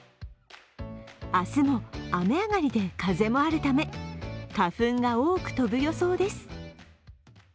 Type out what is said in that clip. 明日も雨上がりで風もあるため花粉が多く飛ぶ予想です。